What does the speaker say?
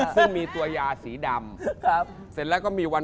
ซึ่งมีตัวยาสีดำ